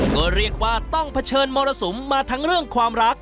ก็เรียกว่าต้องเผชิญมรสุมมาทั้งเรื่องความรัก